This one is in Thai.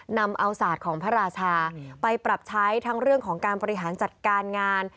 นำเอาศาสตร์ของพระราชาไปปรับใช้ทั้งเรื่องของการบริหารจัดการงาน